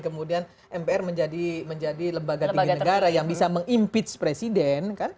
kemudian mpr menjadi lembaga tinggi negara yang bisa mengimpeach presiden